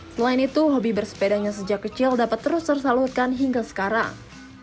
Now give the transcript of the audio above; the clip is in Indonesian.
selain itu hobi bersepedanya sejak kecil dapat terus tersalurkan hingga sekarang